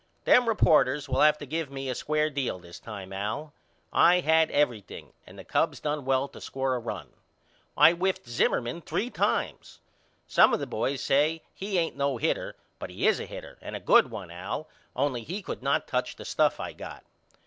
Them reporters will have to give me a square deal this time Al. I had everything and the Cubs done well to score a run. I whiffed Zimmerman three times. Some of the boys say he ain't no hitter but he is a hitter and a good one Al only he could not touch the stuff I got.